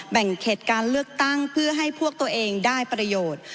แบ่งเขตการเลือกตั้งเพื่อให้พวกตัวเองได้ประโยชน์